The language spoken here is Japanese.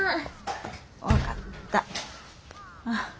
分かった。